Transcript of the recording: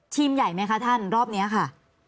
ใหญ่ไหมคะท่านรอบนี้ค่ะ